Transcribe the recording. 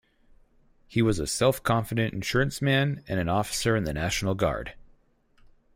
He was a self-confident insurance man and an officer in the National Guard.